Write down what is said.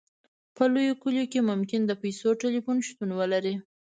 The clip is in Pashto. په لویو کلیو کې ممکن د پیسو ټیلیفون شتون ولري